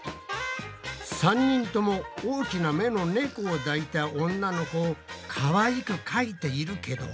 ３人とも大きな目の猫を抱いた女の子をかわいくかいているけど。